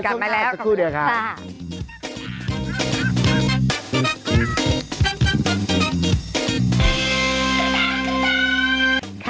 กลับมาแล้วค่ะ